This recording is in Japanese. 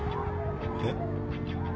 えっ？